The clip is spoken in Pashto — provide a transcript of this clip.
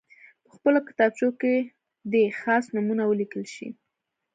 په خپلو کتابچو کې دې خاص نومونه ولیکل شي.